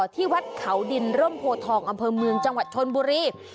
ที่วัดเขาดินร่มโพทองอำเภอเมืองจังหวัดชนบุรี